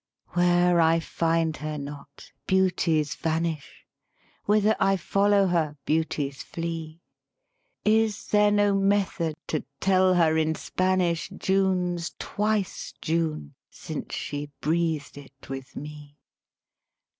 VI Where I find her not, beauties vanish; Whither I follow her, beauties flee; Is there no method to tell her in Spanish June's twice June since she breathed it with me?